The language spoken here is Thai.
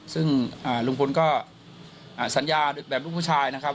ซึ่งลุงพลก็สัญญาแบบลูกผู้ชายนะครับ